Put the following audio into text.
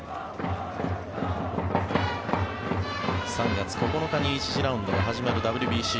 ３月９日に１次ラウンドが始まるＷＢＣ。